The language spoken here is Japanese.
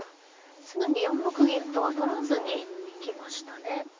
すぐに４六銀とは取らずに行きましたね。